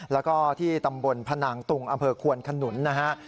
แล้วก็ที่ตำบลพนางตุงอำเภอควนขนุนนะฮะ